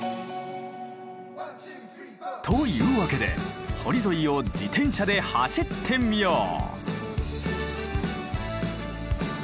というわけで堀沿いを自転車で走ってみよう。